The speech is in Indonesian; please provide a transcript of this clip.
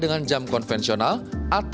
dengan penyelesaian yang lebih cepat